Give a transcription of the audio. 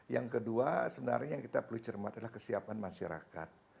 yang kedua sebenarnya yang kita perlu cermat adalah kesiapan masyarakat